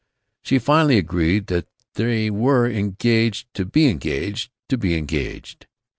She finally agreed that they were engaged to be engaged to be engaged.